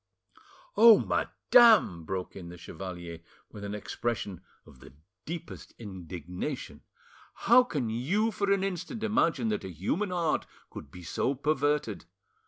"Oh, madame," broke in the chevalier, with an expression of the deepest indignation, "how can you for an instant imagine that a human heart could be so perverted?